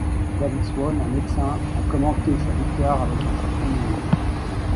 David Swann, un médecin, a commenté sa victoire avec un certain humour.